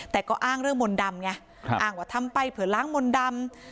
แต่ก็อ้างเรื่องมนต์ดำไงอ้างว่าทำไปเผื่อล้างมนต์ดำ